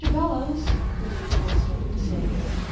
Bellows " the new girl started to say.